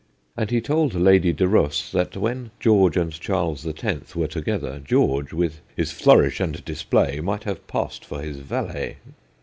And he told Lady de Ros that when George and Charles the Tenth were together, George, with ' his flourish and display, might have passed for his valet.'